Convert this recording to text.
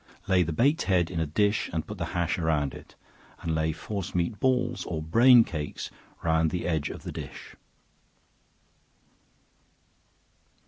Lay the baked head in a dish and put the hash around it, and lay force meat balls or brain cakes round the edge of the dish.